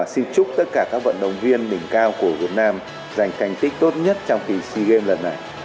xin chúc tất cả các vận động viên đỉnh cao của việt nam giành thành tích tốt nhất trong kỳ sea games lần này